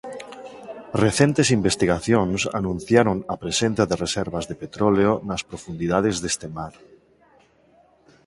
Recentes investigacións anunciaron a presenza de reservas de petróleo nas profundidades deste mar.